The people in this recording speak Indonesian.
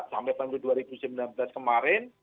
sampai tahun dua ribu sembilan belas kemarin